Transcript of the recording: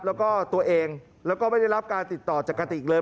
แล้วก็ตัวเองแล้วก็ไม่ได้รับการติดต่อจากกะติกเลย